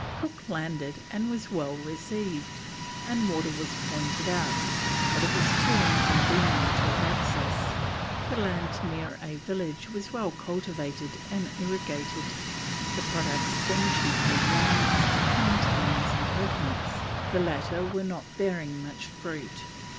Cook landed and was well received, and water was pointed out, but it was too inconvenient of access; the land near a village was well cultivated and irrigated, the products being chiefly yams, plantains, and coconuts, the latter were not bearing much fruit.